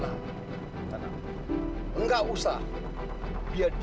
saya dukung dulu pak